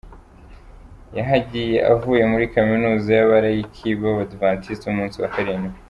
Yahagiye avuye muri Kaminuza y’Abalayiki b’Abadivantisite b’Umunsi wa Karindwi.